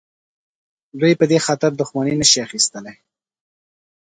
دوی په خاطر دښمني نه شي اخیستلای.